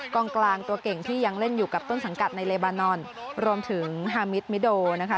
กลางกลางตัวเก่งที่ยังเล่นอยู่กับต้นสังกัดในเลบานอนรวมถึงฮามิตมิโดนะคะ